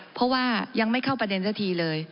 เพราะว่ายังไม่เข้าประเด็นสักทีเลย